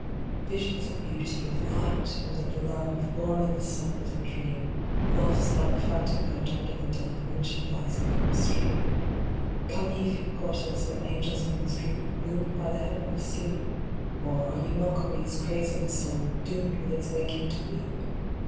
yiSIONS of Beauty, of Light, and of Love, Born in the soul of a Dream, Lost, like the phantom bird under the dove, When she flies over a stream Come ye through portals where angel wings droop, Moved by the heaven of sleep ? Or, are ye mockeries, crazing a soul, Doomed with its waking to weep